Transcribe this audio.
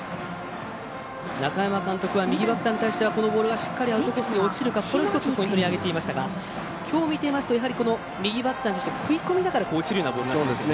中山監督は右バッターに対してはこのボールはしっかりアウトコースにいけるかポイントに挙げていましたがきょうを見ていますと右バッターに食い込みながら落ちるようなボールになってますね。